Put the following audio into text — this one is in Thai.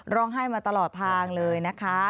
ร้องไห้มาตลอดทางเลยนะคะ